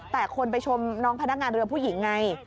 แต่คนไปชมน้องพนักงานเรือผู้หญิงไง